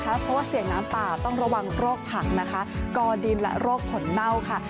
เพราะว่าเสี่ยงน้ำป่าต้องระวังโรคผักนะคะกอดินและโรคผลเน่าค่ะ